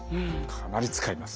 かなり使います。